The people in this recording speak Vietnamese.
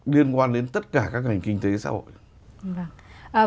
liên quan đến tất cả các ngành kinh tế xã hội